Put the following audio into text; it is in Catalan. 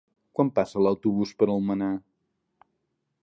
Quan passa l'autobús per Almenar?